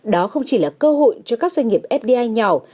đó không chỉ là cơ hội cho các doanh nghiệp fdi nhỏ